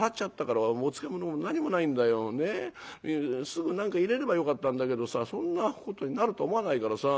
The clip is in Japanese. すぐ何か入れればよかったんだけどさそんなことになると思わないからさ。